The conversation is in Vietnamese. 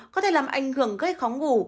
có thể làm ảnh hưởng gây khó ngủ